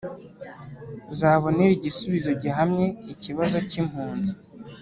zabonera igisubizo gihamye ikibazo cy' impunzi